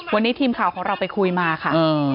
วันนี้ทีมข่าวของเราไปคุยมาค่ะ